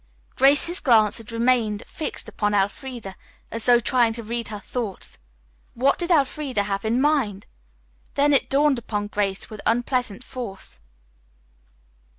Grace's glance had remained fixed upon Elfreda as though trying to read her thoughts. What did Elfreda have in mind! Then it dawned upon Grace with unpleasant force.